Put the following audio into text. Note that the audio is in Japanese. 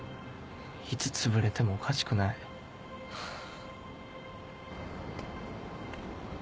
いつつぶれてもおかしくないハァ。